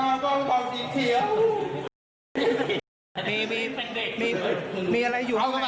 ทุกคนที่หาทิศจะรับเรื่องจากพี่อาหาร